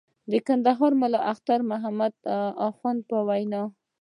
د کندهار ملا اختر محمد اخند به ویل.